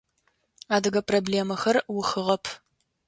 Адыгэ проблемэхэр ухыгъэп.